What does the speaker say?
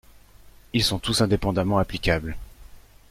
Ils sont tous indépendamment applicables.